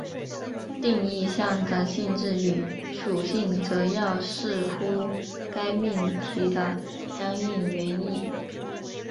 定义项的性质与属性则要视乎该命题的相应原意。